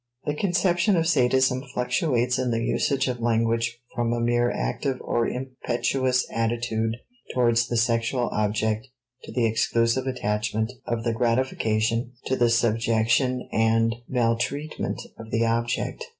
The conception of sadism fluctuates in the usage of language from a mere active or impetuous attitude towards the sexual object to the exclusive attachment of the gratification to the subjection and maltreatment of the object.